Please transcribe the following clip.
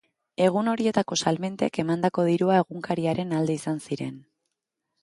Egun horietako salmentek emandako dirua egunkariaren alde izan ziren.